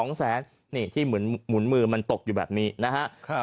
ที่หมุนมือมันตกอยู่แบบนี้นะครับ